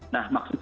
nah maksud saya